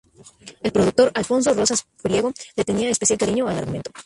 El productor, Alfonso Rosas Priego, le tenía especial cariño al argumento.